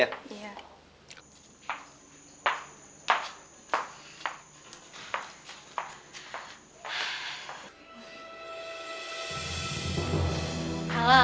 nanti aku nungguin